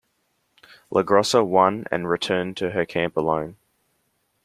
LaGrossa won and returned to her camp alone.